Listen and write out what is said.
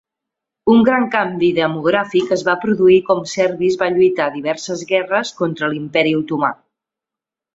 Un gran canvi demogràfic es va produir com serbis va lluitar diverses guerres contra l'Imperi Otomà.